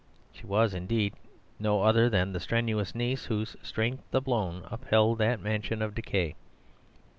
She was, indeed, no other than the strenuous niece whose strength alone upheld that mansion of decay.